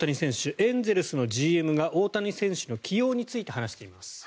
エンゼルスのＧＭが大谷選手の起用について話しています。